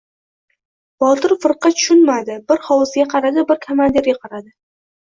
Botir firqa tushunmadi. Bir hovuzga qaradi, bir komandirga qaradi.